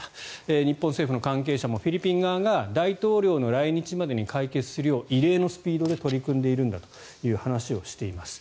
日本政府の関係者もフィリピン側が大統領の来日までに解決するよう異例のスピードで取り組んでいるんだという話をしています。